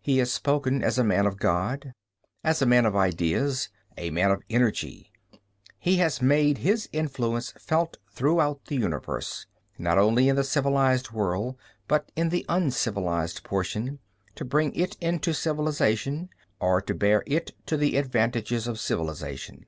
He has spoken as a man of God, as a man of ideas, a man of energy. He has made his influence felt throughout the universe, not only in the civilized world, but in the uncivilized portion, to bring it into civilization, or to bear to it the advantages of civilization.